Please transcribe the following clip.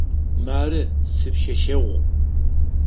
Мары сипшъэшъэгъу.